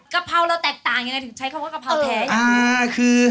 กะเพราเราแตกต่างยังไงถึงใช้คำว่ากะเพราแท้ยังไง